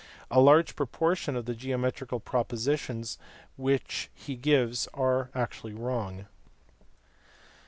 A large proportion of the geometrical propositions which he gives are wrong.